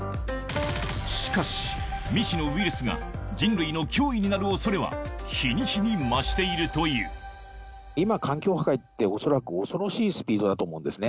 しかし、未知のウイルスが人類の脅威になるおそれは、日に日に増している今、環境破壊って、恐らく恐ろしいスピードだと思うんですよね。